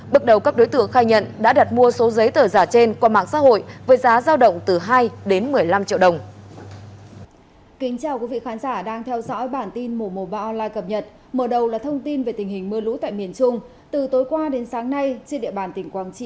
bước đầu các đối tượng khai nhận đã đặt mua số giấy tờ giả trên qua mạng xã hội với giá giao động từ hai đến một mươi năm triệu đồng